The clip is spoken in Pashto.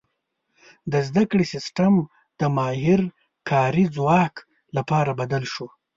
• د زده کړې سیستم د ماهر کاري ځواک لپاره بدل شو.